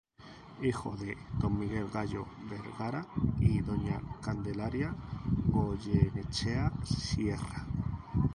Hijo de don Miguel Gallo Vergara y doña Candelaria Goyenechea Sierra.